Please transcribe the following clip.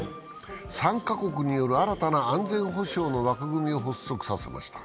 ３カ国による新たな安全保障の枠組みを発足させました。